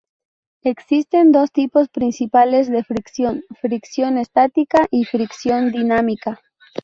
Existen dos tipos principales de fricción: fricción estática y fricción dinámica.